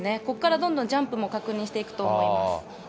ここからどんどんジャンプも確認していくと思います。